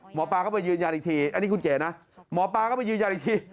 หมอปลาก็ไปยืนยันอีกทีอันนี้คุณเก๋นะหมอปลาก็ไปยืนยันอีกที